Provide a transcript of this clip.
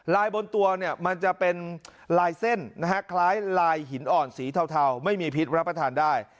บนตัวเนี่ยมันจะเป็นลายเส้นนะฮะคล้ายลายหินอ่อนสีเทาไม่มีพิษรับประทานได้